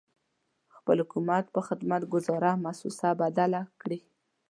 خپل حکومت په خدمت ګذاره مؤسسه بدل کړي.